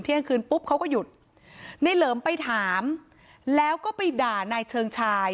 เที่ยงคืนปุ๊บเขาก็หยุดในเหลิมไปถามแล้วก็ไปด่านายเชิงชาย